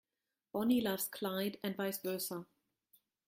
Bonnie loves Clyde and vice versa.